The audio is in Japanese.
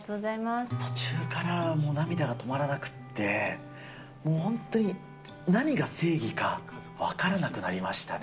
途中からもう涙が止まらなくって、もう本当に、何が正義か分からなくなりましたね。